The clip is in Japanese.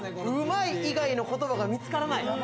うまい以外の言葉が見つからない。